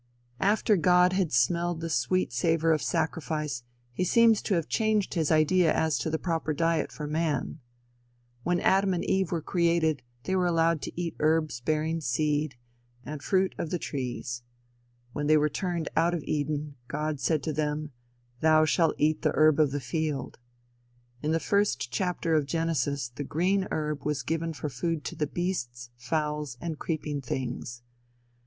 After God had smelled the sweet savor of sacrifice, he seems to have changed his idea as to the proper diet for man. When Adam and Eve were created they were allowed to eat herbs bearing seed, and the fruit of trees. When they were turned out of Eden, God said to them "Thou shalt eat the herb of the field." In the first chapter of Genesis the "green herb" was given for food to the beasts, fowls and creeping things.